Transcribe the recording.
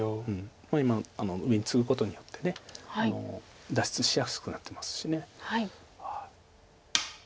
今上にツグことによって脱出しやすくなってますし。